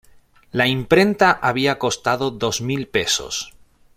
La imprenta había costado dos mil pesos.